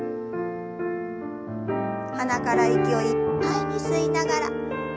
鼻から息をいっぱいに吸いながら腕を上に。